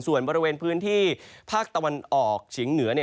ส่วนบริเวณพื้นที่ภาคตะวันออกเฉียงเหนือ